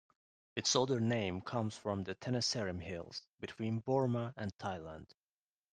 Its other name comes from the Tenasserim Hills, between Burma and Thailand.